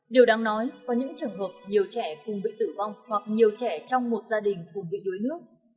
điều đáng nói có những trường hợp nhiều trẻ cùng bị tử vong hoặc nhiều trẻ trong một gia đình cùng bị đuối nước